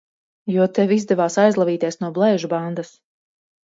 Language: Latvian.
Jo tev izdevās aizlavīties no Blēžu bandas!